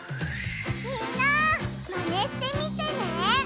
みんなマネしてみてね！